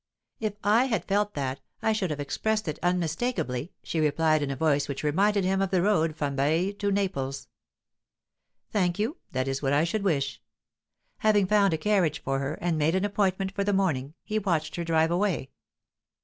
"If I had felt that, I should have expressed it unmistakably," she replied, in a voice which reminded him of the road from Baiae to Naples. "Thank you; that is what I should wish." Having found a carriage for her, and made an appointment for the morning, he watched her drive away.